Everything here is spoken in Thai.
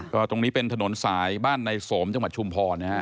ก็ตรงนี้เป็นถนนสายบ้านในสมจังหวัดชุมพรนะฮะ